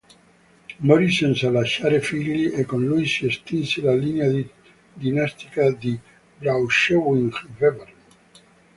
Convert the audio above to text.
Morì senza lasciare figli e con lui si estinse la linea dinastica di Braunschweig-Bevern